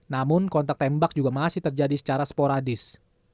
namun kontak tembak juga masih terjadi secara sporadis